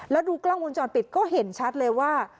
แล้วดูกล้องวงจรปิดก็เห็นชัดเลยว่า